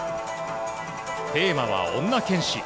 テーマは、女剣士。